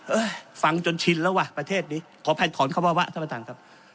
เอ้ยฟังจนชินแล้วว่ะประเทศนี้ขอแภทขอร้อนข้าวเว้าวะท่านประธานครับ